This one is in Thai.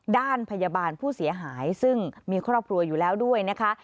ด้านพยาบาลผู้เสียหายซึ่งมีครอบครัวอยู่แล้วด้วยนะคะ